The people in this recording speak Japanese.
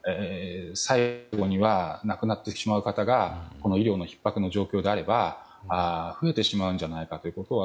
最後には、亡くなってしまう方が医療のひっ迫の状況であれば増えてしまうのではないかということを